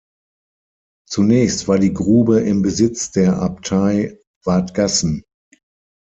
Zunächst war die Grube im Besitz der Abtei Wadgassen.